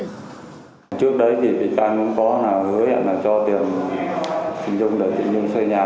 trước đấy thì vị trang cũng có hứa hẹn là cho tiền chị nhung để chị nhung xây nhà